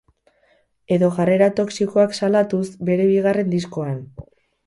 Edo jarrera toxikoak salatuz, bere bigarren diskoan.